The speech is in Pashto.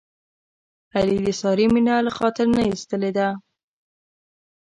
علي د سارې مینه له خاطر نه ایستلې ده.